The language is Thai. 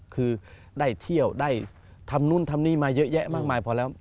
คือได้เที่ยวได้ทำนู่นทำนี่มาเยอะแยะมากมายพอแล้ว